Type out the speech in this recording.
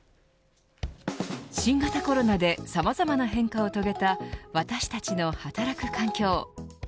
新型コロナでさまざまな変化を遂げた私たちの働く環境。